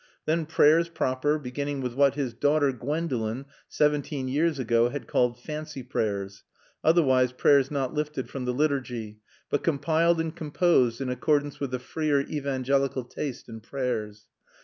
Then prayers proper, beginning with what his daughter Gwendolen, seventeen years ago, had called "fancy prayers," otherwise prayers not lifted from the Liturgy, but compiled and composed in accordance with the freer Evangelical taste in prayers.